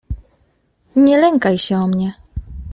"Nie lękaj się o mnie."